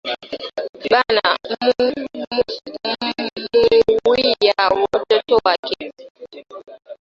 Bana muuwiya mtoto kwake